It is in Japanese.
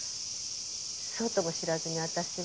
そうとも知らずに私は。